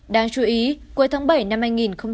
đáng chú ý cuối tháng bảy năm hai nghìn một mươi hai